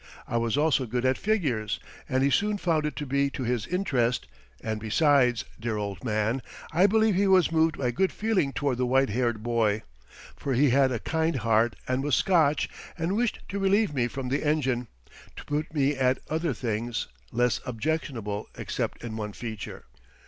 I was also good at figures; and he soon found it to be to his interest and besides, dear old man, I believe he was moved by good feeling toward the white haired boy, for he had a kind heart and was Scotch and wished to relieve me from the engine to put me at other things, less objectionable except in one feature.